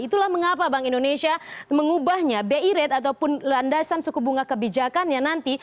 itulah mengapa bank indonesia mengubahnya bi rate ataupun landasan suku bunga kebijakannya nanti